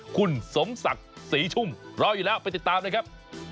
คุณสมศักดิ์ศรีชุ่มรออยู่แล้วไปติดตามนะครับ